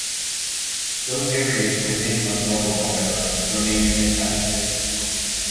Those areas within Monroe, however, remain in the township.